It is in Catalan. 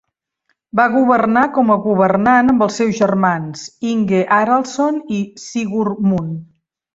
Va governar com a governant amb els seus germans, Inge Haraldsson i Sigurd Munn.